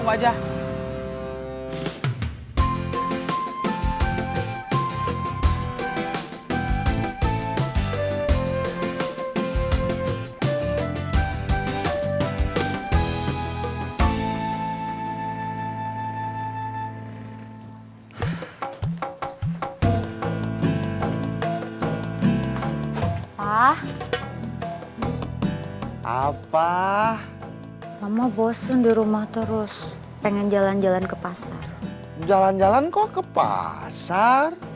hai ah ah apa mama bosen di rumah terus pengen jalan jalan ke pasar jalan jalan kok ke pasar